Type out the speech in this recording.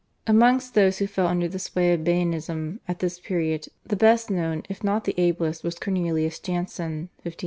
Amongst those who fell under the sway of Baianism at this period the best known if not the ablest was Cornelius Jansen (1585 1638).